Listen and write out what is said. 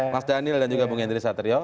mas daniel dan juga bung hendri saterio